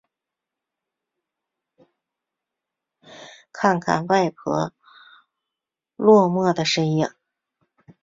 看着外婆落寞的身影